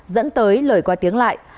dẫn tới lời qua tiếng lại